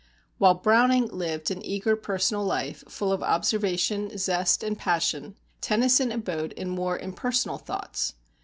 While Browning lived an eager personal life, full of observation, zest, and passion, Tennyson abode in more impersonal thoughts.